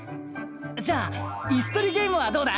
じゃあイスとりゲームはどうだ？